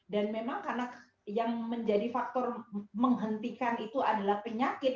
dan memang karena yang menjadi faktor menghentikan itu adalah penyakit